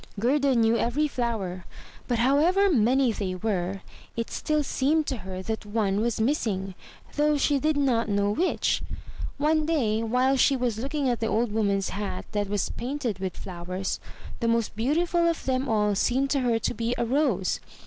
Gerda knew every flower; but however many they were, it still seemed to her that one was missing, though she did not know which. One day, while she was looking at the old Woman's hat that was painted with flowers, the most beautiful of them all seemed to her to be a rose.